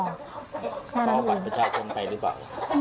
เอาบัตรประชาชนไปหรือเปล่า